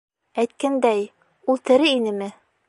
Әйткәндәй, ул тере инеме?